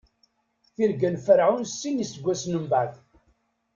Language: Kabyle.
Tirga n Ferɛun Sin n iseggasen mbeɛd.